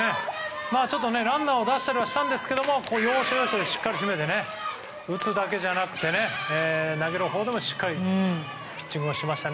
ランナーを出したりはしたんですが要所要所しっかり締めて打つだけじゃなくて投げるほうでもしっかりピッチングしました。